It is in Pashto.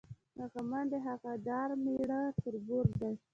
هغه منډې، هغه ډار میړه تربور دی